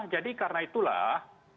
jadi karena itulah